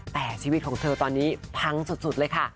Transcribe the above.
แต่ชีวิตของเธอตอนนี้พังสุดเลยค่ะ